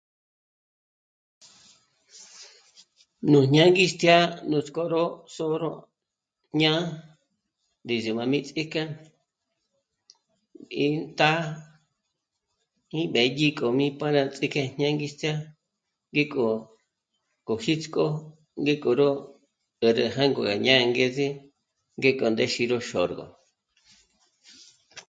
Nú ñângistjya núts'k'ó ró sǒ'o ró ñá'ā ndízi má mí ts'íjk'e ín tá'a í b'ë̀dyi kjó mí pā́rā ts'íjk'e ñângistjya ngéko k'ó jítsko ngéko ró 'ä̀rä jângo gá ñá'a angeze ngéko ndéxi ró xôrgo